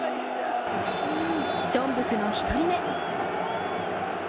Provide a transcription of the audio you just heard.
チョンブクの１人目。